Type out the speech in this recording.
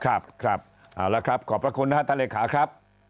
ครับครับเอาละครับขอบพระคุณนะครับท่านเลขาครับ